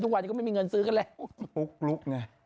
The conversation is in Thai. ทุกวันก็ไม่มีเงินซื้อกันแหละ